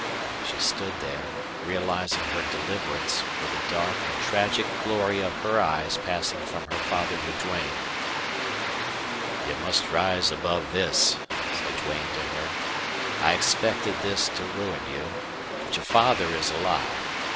She stood there, realizing her deliverance, with the dark and tragic glory of her eyes passing from her father to Duane. "You must rise above this," said Duane to her. "I expected this to ruin you. But your father is alive.